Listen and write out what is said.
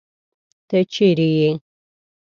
تۀ چېرې ئې ؟